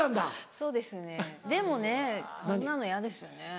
そうですねでもねそんなの嫌ですよね。